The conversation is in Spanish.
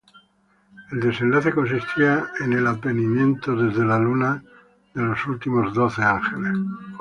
El desenlace consistiría en el advenimiento desde la Luna de los últimos doce Ángeles.